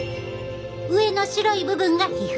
上の白い部分が皮膚。